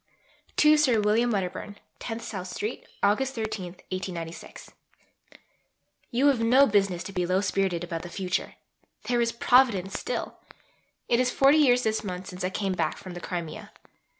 (To Sir William Wedderburn.) 10 SOUTH STREET, August 13 .... You have no business to be low spirited about the future. There is Providence still. It is 40 years this month since I came back from the Crimea.